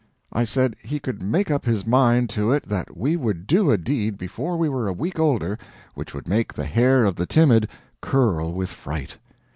I said he could make up his mind to it that we would do a deed before we were a week older which would make the hair of the timid curl with fright.